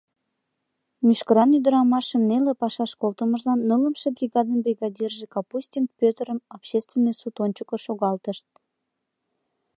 Мӱшкыран ӱдырамашым неле пашаш колтымыжлан нылымше бригадын бригадирже Капустин Пӧтырым общественный суд ончыко шогалтышт.